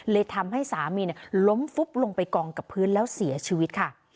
ทำให้สามีล้มฟุบลงไปกองกับพื้นแล้วเสียชีวิตค่ะ